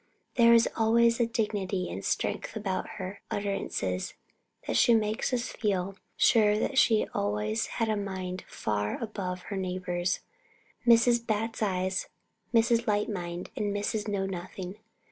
There is always a dignity and a strength about her utterances that make us feel sure that she had always had a mind far above her neighbours, Mrs. Bat's eyes, Mrs. Light mind, and Mrs. Know nothing.